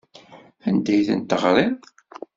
Anda ay ten-teɣriḍ?